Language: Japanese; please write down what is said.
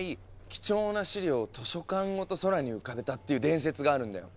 貴重な資料を図書館ごと空に浮かべたっていう伝説があるんだよ。